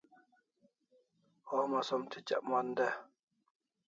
Homa som tichak mon de